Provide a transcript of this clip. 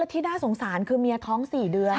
ที่น่าสงสารคือเมียท้อง๔เดือน